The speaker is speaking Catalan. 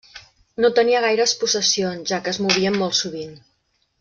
No tenia gaires possessions, ja que es movien molt sovint.